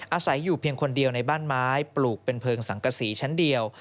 อาศัยอยู่เพียงคนเดียวในบ้านไม้ปลูกเป็นเพลิงสังกษีชั้นเดียว